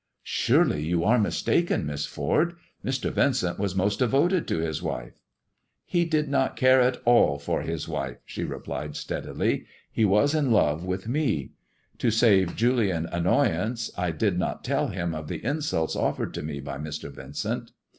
" Surely you are mistaken, Miss Ford. Mr, Vincent waa most devoted to his wife." " He did not care at all for his wife," she replied 270 THE GREEN STONE GOD AND THE STOCKBROKER steadily. " He was in love with me. To save Julian an noyance I did not tell him of the insults offered to me by Mr. Yincent.